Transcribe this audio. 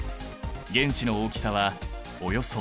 原子の大きさはおよそ０．３ｎｍ。